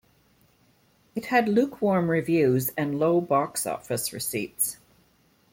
It had lukewarm reviews and low box-office receipts.